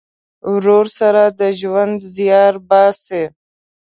ورور سره د ژوند زیار باسې.